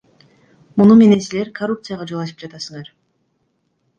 Муну менен силер коррупцияга жол ачып жатасыңар.